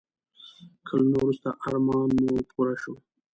کلونه وروسته ارمان مې پوره شو.